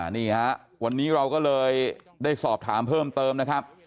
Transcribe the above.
นี่ฮะวันนี้เราก็เลยได้สอบถามเพิ่มเติมนะครับ